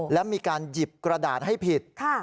และมีการหยิบกระดาษให้ผิด